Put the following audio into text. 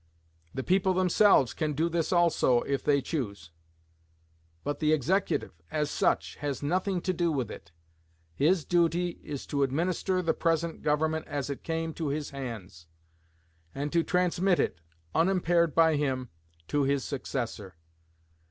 The people themselves can do this also, if they choose; but the Executive, as such, has nothing to do with it. His duty is to administer the present Government as it came to his hands, and to transmit it, unimpaired by him, to his successor....